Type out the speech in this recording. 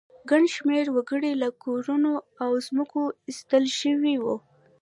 ګڼ شمېر وګړي له کورونو او ځمکو ایستل شوي وو